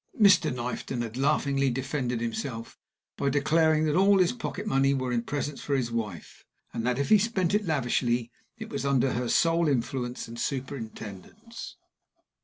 Mr. Knifton had laughingly defended himself by declaring that all his pocket money went in presents for his wife, and that, if he spent it lavishly, it was under her sole influence and superintendence.